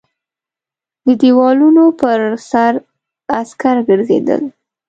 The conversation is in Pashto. د دېوالونو پر سر عسکر ګرځېدل.